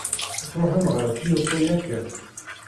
Tṛuḥem ɣer Kyoto yakan?